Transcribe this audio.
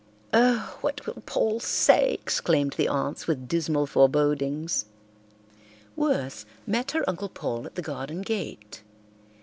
"Oh, what will Paul say?" exclaimed the aunts, with dismal forebodings. Worth met her Uncle Paul at the garden gate.